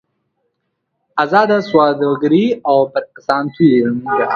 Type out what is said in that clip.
ازاده سوداګري او د پور اسانتیاوې اړین دي.